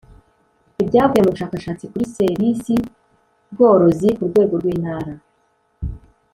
Ibyavuye mu bushakashatsi kuri ser isi z bworozi ku rwego rw intara